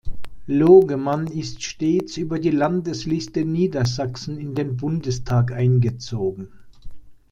Logemann ist stets über die Landesliste Niedersachsen in den Bundestag eingezogen.